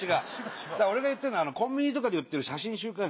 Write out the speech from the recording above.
俺が言ってるのはコンビニとかで売ってる写真週刊誌。